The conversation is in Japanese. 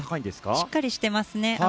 しっかりしていますね。